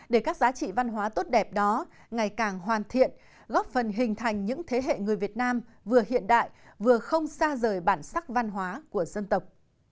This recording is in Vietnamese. để các giá trị văn hóa tốt đẹp đó ngày càng hoàn thiện góp phần hình thành những thế hệ người việt nam vừa hiện đại vừa không xa rời bản sắc văn hóa của dân tộc